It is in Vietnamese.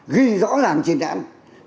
ghi rõ làng trình đoạn